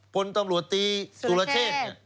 พลตำรวจตีสุรเชษ